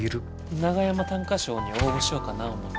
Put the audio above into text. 長山短歌賞に応募しようかな思て。